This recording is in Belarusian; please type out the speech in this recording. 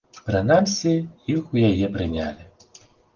Прынамсі, іх у яе прынялі.